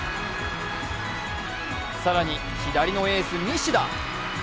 更に左のエース、西田。